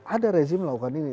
ada rezim melakukan ini